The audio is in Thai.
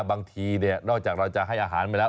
บางทีนอกจากเราจะให้อาหารไปแล้ว